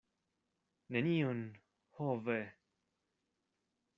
Nenion, ho ve!